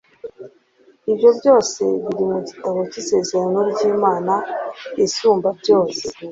ibyo byose biri mu gitabo cy'isezerano ry'imana isumbabyose